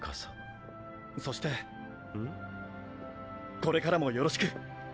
これからもよろしく！